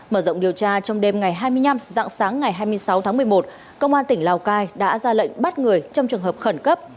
mở rộng điều tra trong đêm ngày hai mươi năm dạng sáng ngày hai mươi sáu tháng một mươi một công an tỉnh lào cai đã ra lệnh bắt người trong trường hợp khẩn cấp